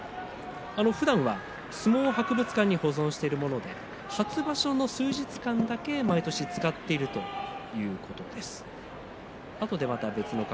ふだんは相撲博物館に保存しているもので初場所の数日間だけ毎年使っているということです。